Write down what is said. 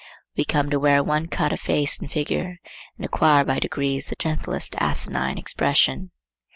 We come to wear one cut of face and figure, and acquire by degrees the gentlest asinine expression.